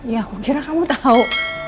ya aku kira kamu tahu